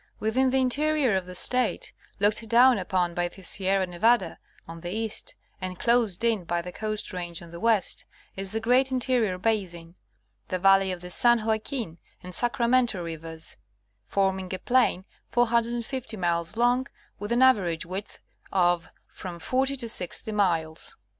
Within the interior of the State, looked down upon by the Sierra Nevada on the east, and closed in by the Coast Range on the west, is the great interior basin — the valley of the San Joaquin and Sacramento rivers — forming a plain 450 miles long, with an average width of from 40 to 60 miles.